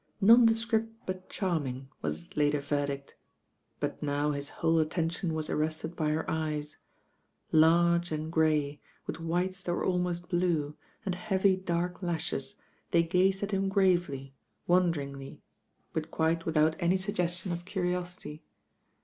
Nondescript but charming, was his later verdict; but now his whole attention yn% arrested by her eyes. Large and grey, with whites that were ahnost blue, and heavy dark lashes, they gazed at him gravely, wonderingly; but quite with out any suggestion of curiosity.